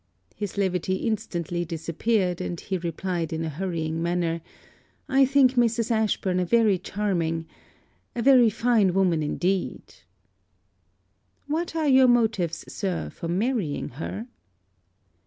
His levity instantly disappeared; and he replied in a hurrying manner 'I think Mrs. Ashburn a very charming a very fine woman indeed.' 'What are your motives, sir, for marrying her?'